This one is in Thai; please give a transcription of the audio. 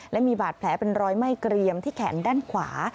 และมีบาดแผลเป็นรอยไหม้เกรียมที่แขนด้านขวา